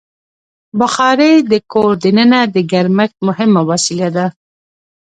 بخاري د کور دننه د ګرمښت مهمه وسیله ده.